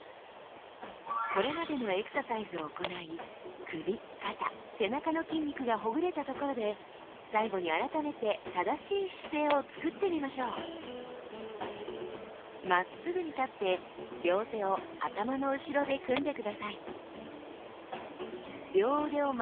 これまでのエクササイズを行い首肩背中の筋肉がほぐれたところで最後に改めて正しい姿勢を作ってみましょう両手を頭の後ろに組みます。